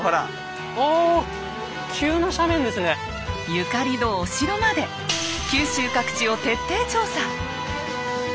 ゆかりのお城まで九州各地を徹底調査！